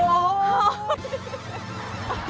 โอ้โห